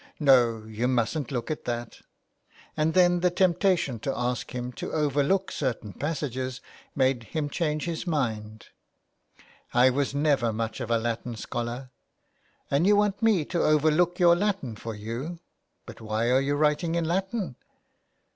^' No, you mustn't look at that." And then the temptation to ask him to overlook certain passages made him change his mind. '' I was never much of a Latin scholar." " And you want me to overlook your Latin for you. But why are you writing Latin